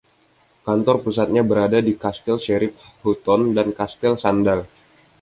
Kantor pusatnya berada di Kastel Sheriff Hutton dan Kastel Sandal.